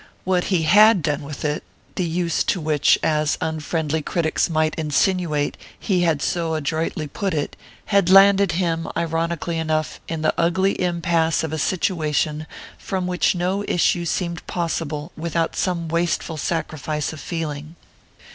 What he had done with it the use to which, as unfriendly critics might insinuate, he had so adroitly put it had landed him, ironically enough, in the ugly impasse of a situation from which no issue seemed possible without some wasteful sacrifice of feeling.